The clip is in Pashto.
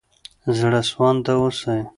زړه سوانده اوسئ.